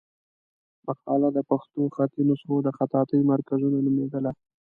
مقاله د پښتو خطي نسخو د خطاطۍ مرکزونه نومېدله.